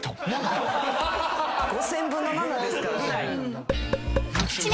５，０００分の７ですからね。